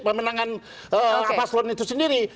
pemenangan paslon itu sendiri